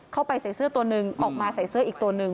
เข้าไปใส่เสื้อตัวหนึ่งออกมาใส่เสื้ออีกตัวหนึ่ง